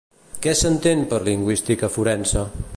Què s'entén per lingüística forense?